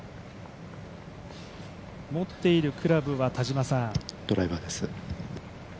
持っているクラブはドライバーです。